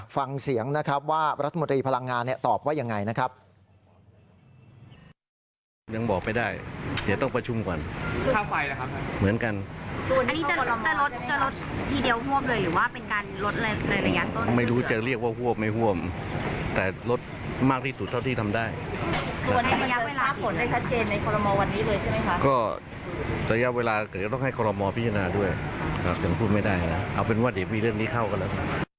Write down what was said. ฟังเสียงนะครับว่ารัฐมนตรีพลังงานตอบว่ายังไงนะครับ